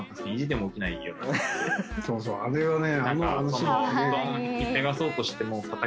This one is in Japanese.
そうそうあれはね。